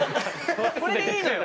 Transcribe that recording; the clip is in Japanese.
これでいいのよ。